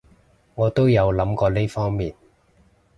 我都有諗過呢方面